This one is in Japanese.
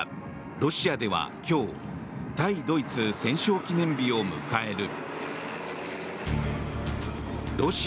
ロシアでは今日対ドイツ戦勝記念日を迎える。